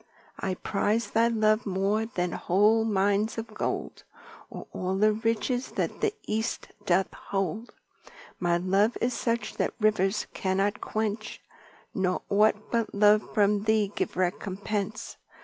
I prize thy love more than whole Mines of Gold, Or all the riches that the East doth hold. My love is such that Rivers cannot quench, Nor ought but love from thee give recompense.